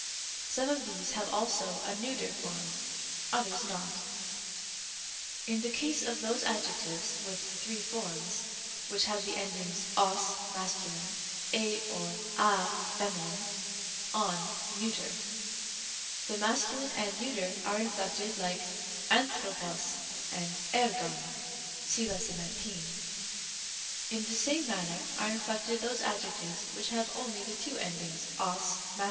Some of these have also a neuter form, others not. Rem. d. In the ease of those adjectives with three forms which have the endings Ὃς (masc.), 7 or a (fem.), ov (neut.), the masculine and neuter are inflected like ἄνθρωπος and ἔργον (8 19). In the same manner are inflected those adjectives which have only the two endings os (masc.